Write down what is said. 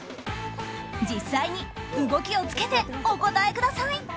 実際に動きをつけてお答えください。